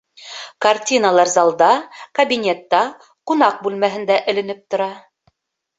Картиналар залда, кабинетта, ҡунаҡ бүлмәһендә эленеп тора